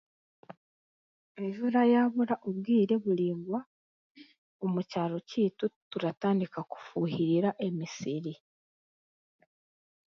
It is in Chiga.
Enjura yaabura obwire buraingwa omu kyaro kyaitu turatandika kufuuhirira emisiri.